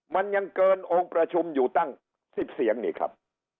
มันยังเกินองค์ประชุมอยู่ตั้ง๑๐เสียงนี่ครับ